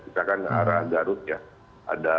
misalkan arah garut ya ada